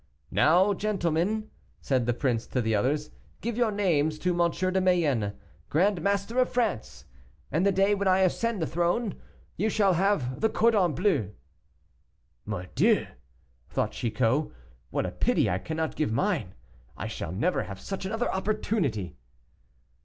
"Now, gentlemen," said the prince to the others, "give your names to M. de Mayenne, grand Master of France, and the day when I ascend the throne, you shall have the cordon bleu." "Mordieu!" thought Chicot, "what a pity I cannot give mine; I shall never have such another opportunity."